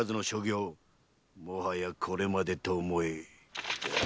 もはやこれまでと思え。